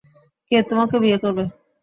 কে তোমাকে বিয়ে করবে?